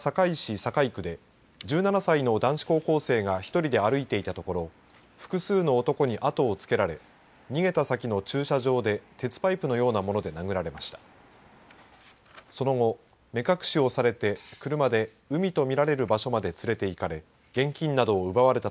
堺区で１７歳の男子高校生が１人で歩いていたところ複数の男に後をつけられ逃げた先の駐車場で鉄パイプのようなもので殴られました。